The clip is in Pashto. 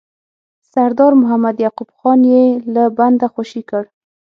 سردار محمد یعقوب خان یې له بنده خوشي کړ.